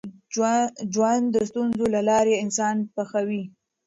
ژوند د ستونزو له لارې انسان پخوي.